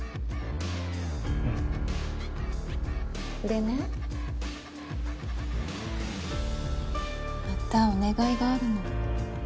でねまたお願いがあるの。